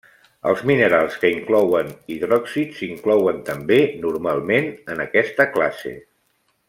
Els minerals que inclouen hidròxid s'inclouen també normalment en aquesta classe.